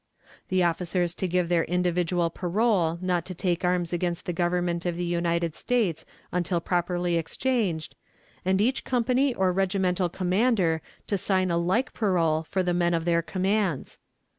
"The officers to give their individual parole not to take arms against the Government of the United States until properly exchanged, and each company or regimental commander to sign a like parole for the men of their commands.